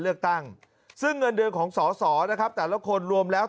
เลือกตั้งซึ่งเงินเดือนของสอสอนะครับแต่ละคนรวมแล้ว